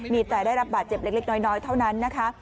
มีแต่ได้รับบาดเจ็บเล็กน้อยเท่านั้นนะคะ